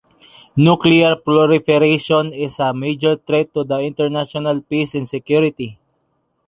Nuclear proliferation is a major threat to the international peace and security.